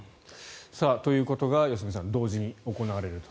ということが良純さん同時に行われると。